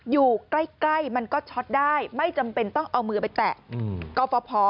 อยู่ใกล้มันก็ช็อตได้ไม่จำเป็นต้องเอามือไปแตะกพ